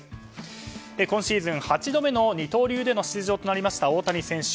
今シーズン８度目の二刀流での出場となりました大谷選手。